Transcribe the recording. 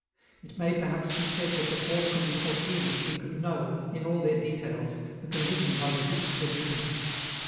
It may perhaps be said that the form could be foreseen if we could know, in all their details, the conditions under which it will be produced.